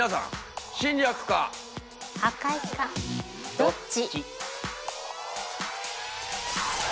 どっち？